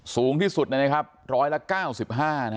สูงที่สุดนะครับร้อยละ๙๕นะฮะ